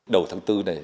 đầu tháng bốn này